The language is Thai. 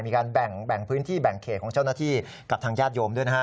มีการแบ่งพื้นที่แบ่งเขตของเจ้าหน้าที่กับทางญาติโยมด้วยนะฮะ